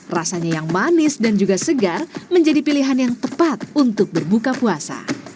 rasanya yang manis dan juga segar menjadi pilihan yang tepat untuk berbuka puasa